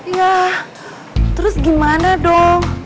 ya terus gimana dong